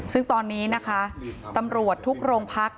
ซึ่งตอนนี้ตำรวจทุกโรงพักษณ์